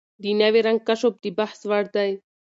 د نوي رنګ کشف د بحث وړ دی.